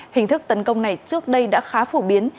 hình thức tấn công này trước đây đã khá phổ biến